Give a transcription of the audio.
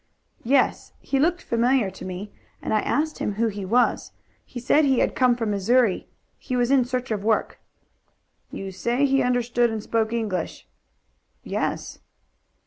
"Yes. He looked familiar to me, and I asked him who he was. He said he had come from Missouri. He was in search of work." "You say he understood and spoke English?" "Yes."